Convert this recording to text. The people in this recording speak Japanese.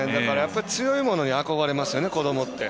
強いものに憧れますよね、子どもって。